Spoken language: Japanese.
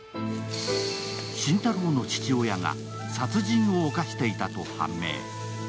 心太朗の父親が殺人を犯していたと判明。